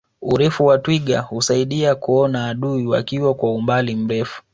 urefu wa twiga husaidia kuona adui wakiwa kwa umbali mrefu